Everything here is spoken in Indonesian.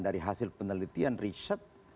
dari hasil penelitian riset